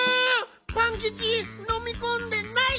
パンキチのみこんでない！